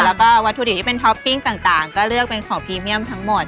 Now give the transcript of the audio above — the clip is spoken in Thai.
แล้วก็วัตถุดิบที่เป็นท็อปปิ้งต่างก็เลือกเป็นของพรีเมียมทั้งหมด